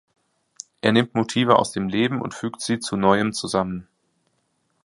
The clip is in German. Er nimmt Motive aus dem Leben und fügt sie zu neuem zusammen.